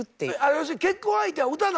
要するに結婚相手は歌なんだ。